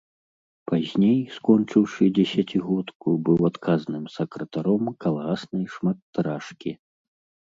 Пазней, скончыўшы дзесяцігодку, быў адказным сакратаром калгаснай шматтыражкі.